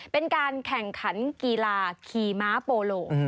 เป็นการแข่งขันกีฬาขี่ม้าโปโล